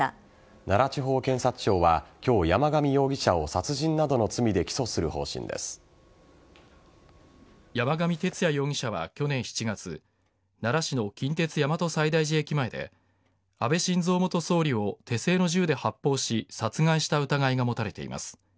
奈良地方検察庁は今日山上容疑者を山上徹也容疑者は去年７月奈良市の近鉄大和西大寺駅前で安倍晋三元総理を手製の銃で発砲し殺害した疑いが持たれています。